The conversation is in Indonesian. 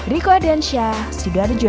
riko adensyah sidoarjo